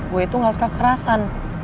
gue itu nggak suka kekerasan